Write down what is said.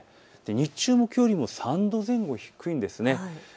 日中もきょうよりも３度前後、低いんです。